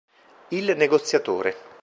Il negoziatore